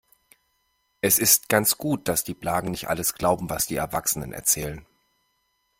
Es ist ganz gut, dass die Blagen nicht alles glauben, was die Erwachsenen erzählen.